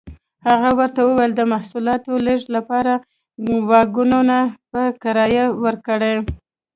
هغه ورته وویل د محصولاتو لېږد لپاره واګونونه په کرایه ورکړي.